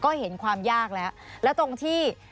ก็เห็นความยากแล้วแล้วตรงที่